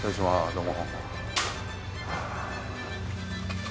どうも。